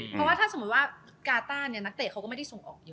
เพราะว่าถ้าสมมุติว่ากาต้าเนี่ยนักเตะเขาก็ไม่ได้ส่งออกเยอะ